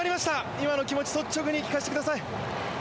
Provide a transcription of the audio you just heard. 今の気持ち率直に聞かせてください。